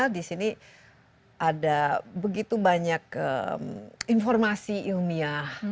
di sini ada begitu banyak informasi ilmiah